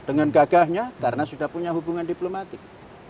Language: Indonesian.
dengan gagahnya karena sudah punya hubungan diplomatik